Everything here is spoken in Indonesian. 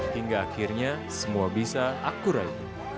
hingga akhirnya semua bisa akurate